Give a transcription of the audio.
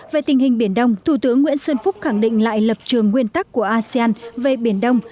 về tình hình biển đông thủ tướng nguyễn xuân phúc khẳng định lại lập trường nguyên tắc của asean về biển đông